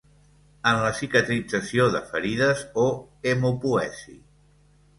en la cicatrització de ferides o hemopoesi.